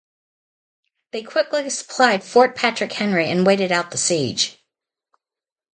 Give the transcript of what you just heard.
They quickly supplied Fort Patrick Henry and waited out the siege.